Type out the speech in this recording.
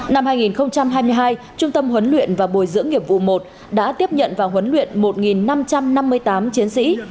năm hai nghìn hai mươi hai trung tâm huấn luyện và bồi dưỡng nghiệp vụ một đã tiếp nhận và huấn luyện một năm trăm năm mươi tám chiến sĩ